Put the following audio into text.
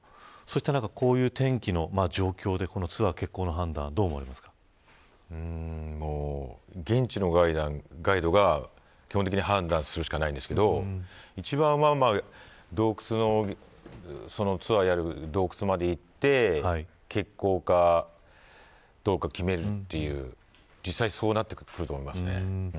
そして、こういう天気の状況でツアー決行の判断は現地のガイドが基本的に判断するしかないんですけど洞窟まで行って決行かどうか決めるという実際はそうなってくると思いますね。